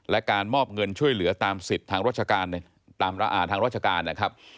และการมอบเงินช่วยเหลือตามสิทธิ์ทางราชการทางราชการนะครับ